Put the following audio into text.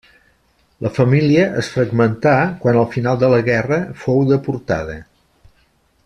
La família es fragmentà quan al final de la guerra fou deportada.